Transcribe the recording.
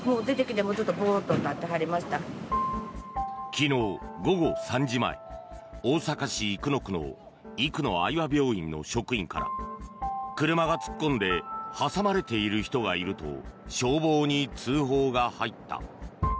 昨日午後３時前大阪市生野区の生野愛和病院の職員から車が突っ込んで挟まれている人がいると消防に通報が入った。